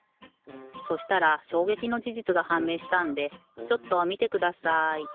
そしたらしょうげきのじじつがはんめいしたんでちょっとみてください。